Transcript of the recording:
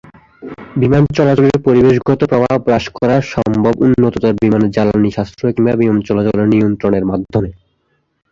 বিমান চলাচলের পরিবেশগত প্রভাব হ্রাস করা সম্ভব উন্নততর বিমানের জ্বালানি সাশ্রয় কিংবা বিমান চলাচল নিয়ন্ত্রণের মাধ্যমে।